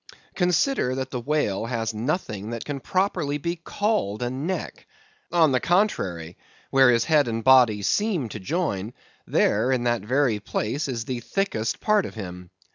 Consider that the whale has nothing that can properly be called a neck; on the contrary, where his head and body seem to join, there, in that very place, is the thickest part of him.